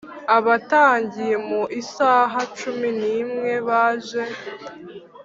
Abatangiye mu isaha cumi n’imwe baje